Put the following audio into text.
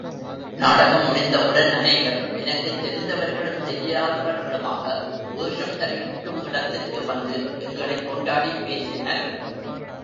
நாடகம் முடிந்தவுடன் அநேகர் எனக்குத் தெரிந்தவர்களும் தெரியாதவர்களுமாக வேஷம் தரிக்கும் இடத்திற்கு வந்து, எங்களைக் கொண்டாடிப் பேசினர்.